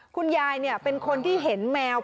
คุณยายเป็นคนที่เห็นแมว